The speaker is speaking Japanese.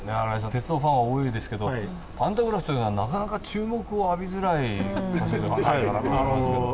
鉄道ファンは多いですけどパンタグラフというのはなかなか注目を浴びづらい箇所ではないかなと思いますけど。